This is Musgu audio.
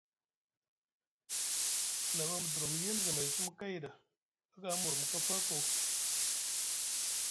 Na ɓa mu durumu yel zamay sumu kay ɗa aga mu murumu kafa koo.